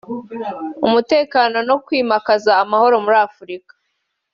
umutekano no kwimakaza amahoro muri Afurika